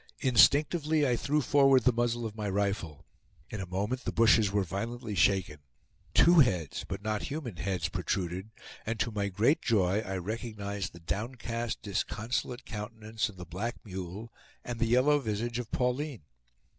Instinctively I threw forward the muzzle of my rifle. In a moment the bushes were violently shaken, two heads, but not human heads, protruded, and to my great joy I recognized the downcast, disconsolate countenance of the black mule and the yellow visage of Pauline.